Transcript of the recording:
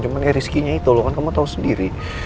cuman ya rizkynya itu loh kan kamu tahu sendiri